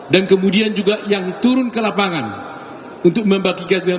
dan kemudian juga yang turun ke lapangan untuk membagikan